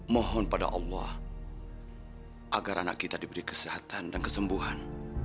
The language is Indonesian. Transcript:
mohon pada allah agar anak kita diberi kesehatan dan kesembuhan